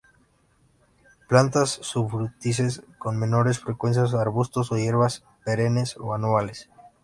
Plantas sufrútices, con menor frecuencia arbustos o hierbas perennes o anuales.